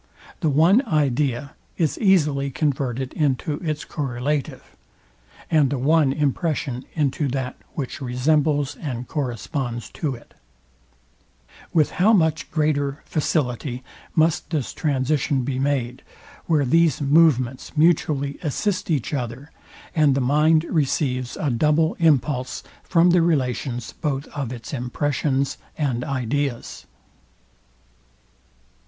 The one idea is easily converted into its correlative; and the one impression into that, which resembles and corresponds to it: With how much greater facility must this transition be made, where these movements mutually assist each other, and the mind receives a double impulse from the relations both of its impressions and ideas?